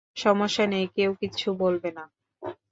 সমস্যা নেই, কেউ কিচ্ছু বলবে না।